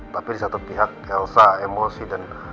tapi di satu pihak elsa emosi dan